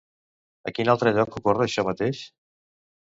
A quin altre lloc ocorre això mateix?